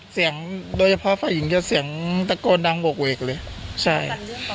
เสียงโดยเฉพาะฝ่ายหญิงจะเสียงตะโกนดังโหกเวกเลยใช่